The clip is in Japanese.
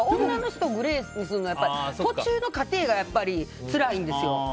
女の人、グレーにするのは途中の過程がやっぱりつらいんですよ。